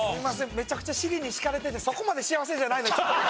めちゃくちゃ尻に敷かれててそこまで幸せじゃないのにちょっと。